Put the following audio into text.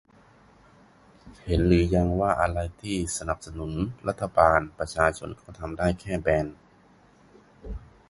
เห็นหรือยังว่าอะไรที่สนับสนุนรัฐบาล ประชาชนก็ทำได้แค่ แบน